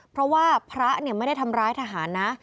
เพราะว่าพระไม่ได้ทำร้ายทหารนะ